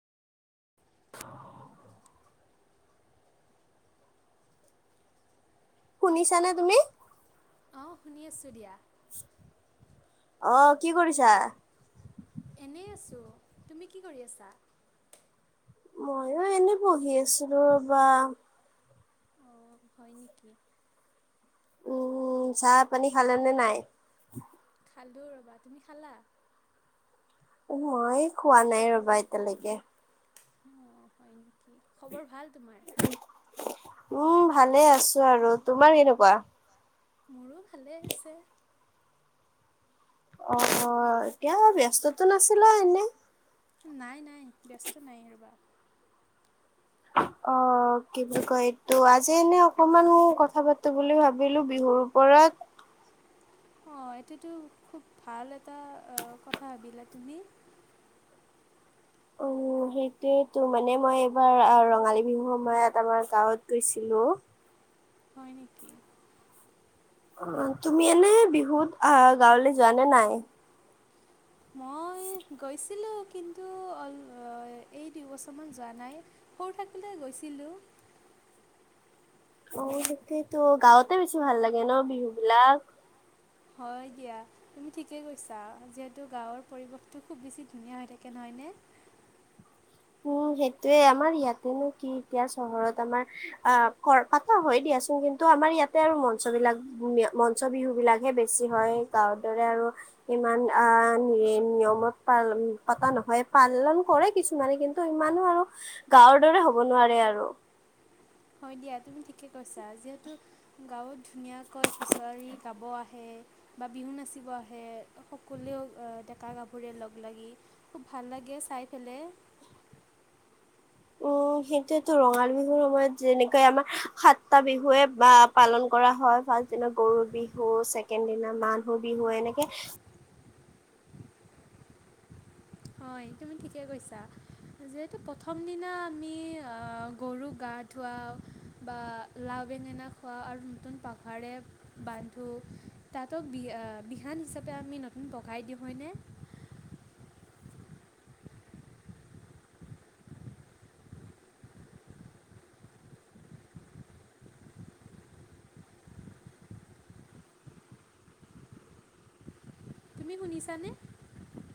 শুনিছানে তুমি? অ' শুনি আছোঁ দিয়া। অ' কি কৰিছা? এনেই আছোঁ, তুমি কি কৰি আছা? ময়ো এনেই পঢ়ি আছিলো ৰ'বা। অ' হয় নেকি? উম, চাহ পানী খালে নে নাই? খালো ৰ'বা তুমি খালা? মই খোৱা নাই ৰ'বা এতিয়ালৈকে অ, হয় নেকি খবৰ ভাল তোমাৰ। উম, ভালে আছোঁ আৰু তোমাৰ কেনেকুৱা? মোৰো ভালে আছে অ, অ, এতিয়া ব্যস্ততো নাছিলা এনেই নাই নাই ব্যস্ত নাই ৰ'বা অ' অ, কি বুলি কয় এইটো আজি এনে অকমান কথা পাতো বুলি ভাবিলো বিহুৰ ওপৰত অ, এইটোতো খুব ভাল এটা কথা ভাবিলা তুমি ও' সেইটোয়েতো মানে মই এইবাৰ ৰঙালী বিহু সময়ত আমাৰ গাঁৱত গৈছিলো। হয় নেকি? অ, তুমি এনে বিহুত আহ গাওঁলৈ যোৱা নে নাই? মই গৈছিলোঁ কিন্তু [unintelligible] এই দুবছৰমান যোৱা নাই। সৰু থাকোতে গৈছিলোঁ। অ, সেইটোৱেটো গাওঁতেই বেছি ভাল লাগে ন বিহু বিলাক? হয় দিয়া। তুমি ঠিকেই কৈছা। যিহেতু গাওঁৰ পৰিৱেশটো খুব বেছি ধুনীয়া হৈ থাকে নহয়নে? উম, সেইটোয়ে আমাৰ ইয়াতেনো কি এতিয়া চহৰত আমাৰ আহ [unintelligible] পাতা হয় দিয়াচোন। কিন্তু আমাৰ ইয়াতে আৰু মঞ্চ বিলাক মঞ্চ বিহুবিলাকহে বেছি হয়। গাওঁৱৰ দৰে আৰু ইমান আ', মেইন নিয়মত পা পতা নহয় পালন কৰে কিছু মানে কিন্তু ইমানো আৰু গাওঁৰ দৰে হ'ব নোৱাৰে আৰু হয় দিয়া, তুমি ঠিকে কৈছা। যিহেতু গাঁৱত ধুনীয়াকৈ খুচৰি গাব আহে। বা বিহু নাচিব আহে সকলোৱেও আ, ডেকা গাভৰুৱে লগ লাগি। খুব ভাল লাগে চাই পেলে। উম, সেইটোয়েতো ৰঙালী বিহুৰ সময়ত যেনেকে আমাৰ সাতটা বিহুৱে বা পালন কৰা হয়, ফাৰ্ষ্ট দিনা গৰু বিহু, ছেকেণ্ড দিনা মানুহ বিহু এনেকে হয় তুমি ঠিকে কৈছা। যিহেতু প্ৰথম দিনা আমি আ, গৰুক গা ধোৱাওঁ বা লাও বেঙেনা খোৱাও আৰু নতুন পাগাৰে বান্ধো তাতক বি আ, বিহান হিচাপে আমি নতুন পকাই দিওঁ হয়নে? তুমি শুনিছানে?